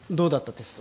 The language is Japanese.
テスト。